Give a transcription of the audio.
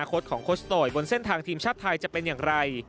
ของโคชโตยบนเส้นทางทีมชาติไทยจะเป็นอย่างไร